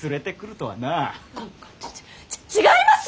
ち違います！